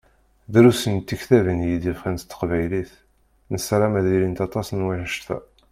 Drus n tektabin i d-yeffɣen s teqbaylit, nessaram ad ilint aṭas n wannect-a.